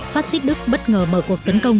phát xích đức bất ngờ mở cuộc tấn công